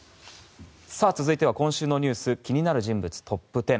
続いては、今週の気になる人物トップ１０。